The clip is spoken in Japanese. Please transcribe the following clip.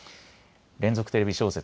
連続テレビ小説